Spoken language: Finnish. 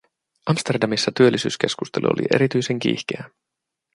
Amsterdamissa työllisyyskeskustelu oli erityisen kiihkeää.